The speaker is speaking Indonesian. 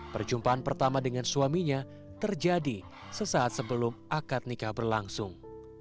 perjumpaan pertama dengan suaminya terjadi sesaat sebelum akad nikah berlangsung